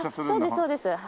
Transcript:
そうですそうです。